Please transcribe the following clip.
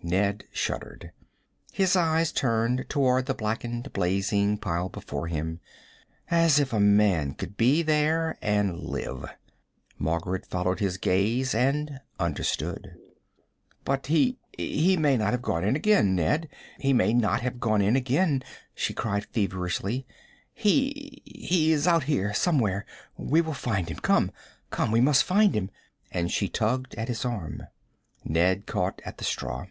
Ned shuddered. His eyes turned toward the blackened, blazing pile before him as if a man could be there, and live! Margaret followed his gaze and understood. "But he he may not have gone in again, Ned. He may not have gone in again," she cried feverishly. "He he is out here somewhere. We will find him. Come! Come we must find him!" And she tugged at his arm. Ned caught at the straw.